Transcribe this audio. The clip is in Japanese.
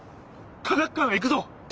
科学館へ行くぞ！